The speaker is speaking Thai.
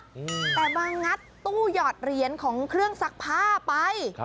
อืมแต่มางัดตู้หยอดเหรียญของเครื่องซักผ้าไปครับ